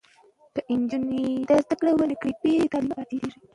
که نجونې بریښنا پوهې شي نو رڼا به نه ځي.